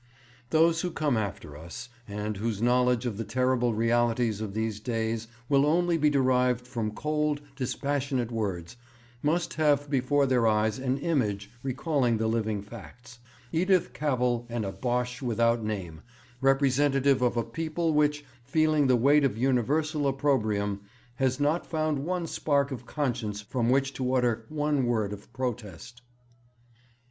'Those who come after us, and whose knowledge of the terrible realities of these days will only be derived from cold, dispassionate words, must have before their eyes an image recalling the living facts: Edith Cavell and a Boche without name, representative of a people which, feeling the weight of universal opprobrium, has not found one spark of conscience from which to utter one word of protest.'